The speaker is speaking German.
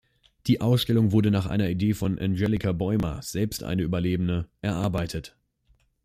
Die Ausstellung wurde nach einer Idee von Angelica Bäumer, selbst eine Überlebende, erarbeitet.